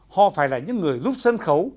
họ phải là những người giúp sân khấu